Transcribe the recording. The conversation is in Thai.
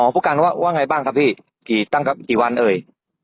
ผู้การว่าไงบ้างครับพี่กี่ตั้งครับกี่วันเอ่ย